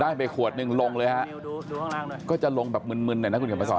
ได้ไปขวดหนึ่งลงเลยฮะก็จะลงแบบมึนเลยนะคุณเข็มมาก่อน